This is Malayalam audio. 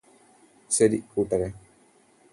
ശരി കൂട്ടരേ